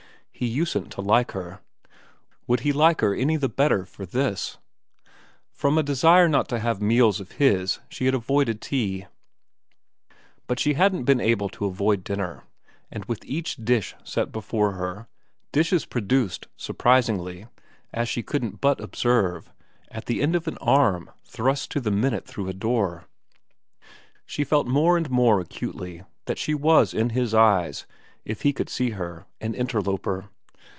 He usedn't to like her; would he like her any the better for this ? From a desire not to have meals of his she had avoided tea, but she hadn't been able to avoid dinner, and with each dish set before her dishes produced surprisingly, as VERA 299 she couldn't but observe, at the end of an arm thrust to the minute through a door she felt more and more acutely that she was in his eyes, if he could only see her, an interloper.